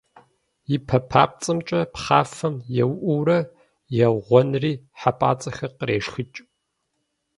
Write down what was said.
И пэ папцӀэмкӀэ пхъафэм еуӀуурэ, еугъуэнри, хьэпӀацӀэхэр кърешхыкӏ.